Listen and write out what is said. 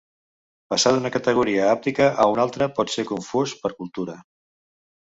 Passar d'una categoria hàptica a una altra pot ser confús per cultura.